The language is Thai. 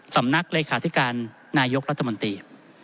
สำนักเลขาธิการนายกรัฐมนตรี